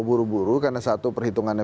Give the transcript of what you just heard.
buru buru karena satu perhitungannya